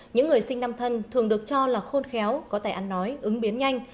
những người sinh năm thân thường được cho là khôn khéo có tài ăn nói ứng biến nhanh